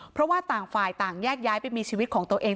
เพราะว่าต่างฝ่ายต่างแยกย้ายไปมีชีวิตของตัวเอง